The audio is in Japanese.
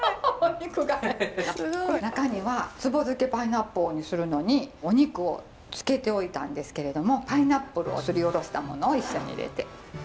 お肉が中には壺漬けパイナッポーにするのにお肉を漬けておいたんですけれどもパイナップルをすりおろしたものを一緒に入れて。